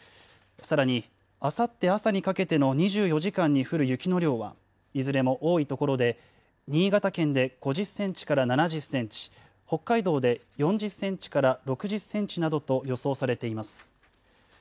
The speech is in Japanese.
さらに、あさって朝にかけての２４時間に降る雪の量は、いずれも多い所で、新潟県で５０センチから７０センチ、北海道で４０センチから６０センチなどと予想されています。